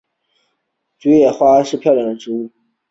海南野扇花为黄杨科野扇花属的植物。